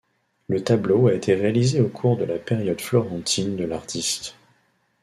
Le tableau a été réalisé au cours de la période florentine de l'artiste.